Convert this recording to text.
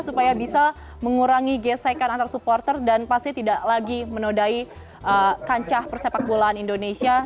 supaya bisa mengurangi gesekan antar supporter dan pasti tidak lagi menodai kancah persepak bolaan indonesia